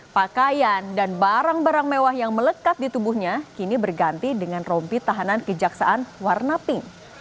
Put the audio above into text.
pakaian dan barang barang mewah yang melekat di tubuhnya kini berganti dengan rompi tahanan kejaksaan warna pink